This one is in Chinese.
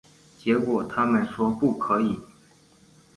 结果他们说不可以